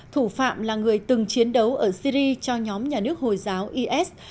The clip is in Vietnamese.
thủ phạm là người từng chiến đấu ở syri cho nhóm nhà nước hồi giáo is